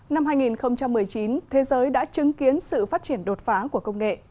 năm hai nghìn một mươi chín thế giới đã chứng kiến sự phát triển đột phá của công nghệ